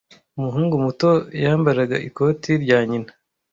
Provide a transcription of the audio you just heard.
Umuhungu muto yambaraga ikoti rya nyina.